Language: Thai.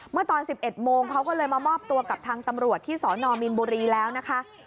ตอน๑๑โมงเขาก็เลยมามอบตัวกับทางตำรวจที่สนมีนบุรีแล้วนะคะ